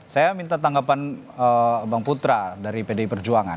saya minta tanggapan bang putra dari pdi perjuangan